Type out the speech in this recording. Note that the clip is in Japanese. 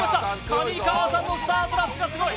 上川さんのスタートダッシュがすごい。